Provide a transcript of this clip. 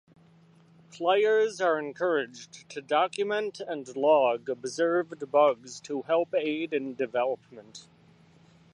Players are encouraged to document and log observed bugs to help aid in development.